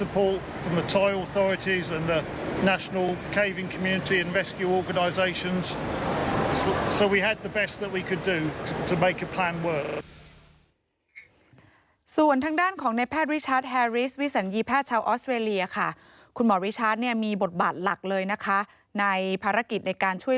เป็นความสนุนที่ยอดที่ไทยและความต้องการสนุนที่เชี่ยวสมัครที่และการปลอดภัย